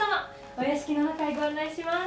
お屋敷の中へご案内します